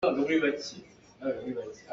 Tung kha pekhat in na niamh lai.